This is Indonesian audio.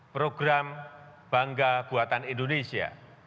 program bangga buatan indonesia